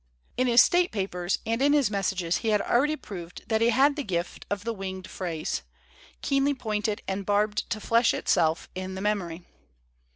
In his state papers and in his messages he had already proved that he had the gift of the winged phrase, keenly pointed and barbed to flesh itself in the memory.